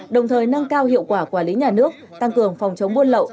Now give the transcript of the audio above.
đồng thời nâng cao hiệu quả quản lý nhà nước tăng cường phòng chống buôn lậu